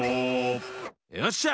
よっしゃ！